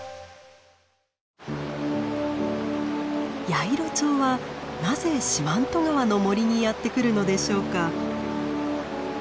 ヤイロチョウはなぜ四万十川の森にやって来るのでしょうか？